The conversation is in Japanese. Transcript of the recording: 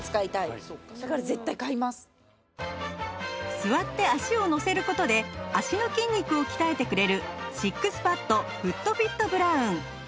座って足を乗せる事で足の筋肉を鍛えてくれるシックスパッドフットフィットブラウン